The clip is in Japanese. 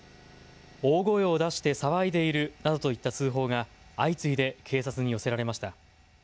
大声を出して騒いでいるなどといった通報が相次いで警察に寄せられました。